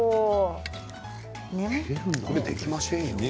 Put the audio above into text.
これできませんよ。